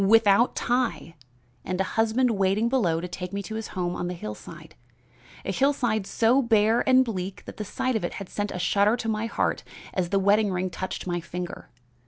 Without tie! and a husband waiting below to take me to his home on the hillside a hillside so bare and bleak that the sight of it had sent a shudder to my heart as the wedding ring touched my finger.